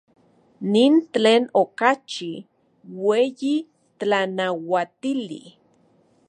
Nin tlen okachi ueyi tlanauatili.